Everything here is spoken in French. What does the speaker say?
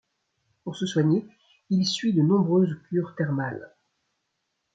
Pour se soigner, il suit de nombreuses cures thermales.